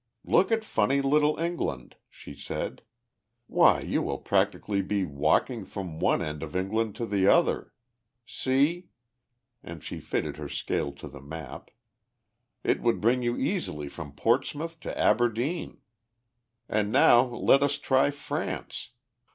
"Look at funny little England!" she said. "Why, you will practically be walking from one end of England to the other. See," and she fitted her scale to the map, "it would bring you easily from Portsmouth to Aberdeen. "And now let us try France.